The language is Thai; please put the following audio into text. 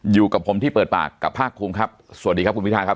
อยู่กับผมที่เปิดปากกับภาคภูมิครับสวัสดีครับคุณพิทาครับ